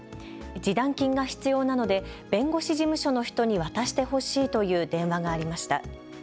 示談金が必要なので弁護士事務所の人に渡してほしいという電話がありました。